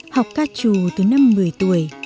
học ca trù từ năm một mươi tuổi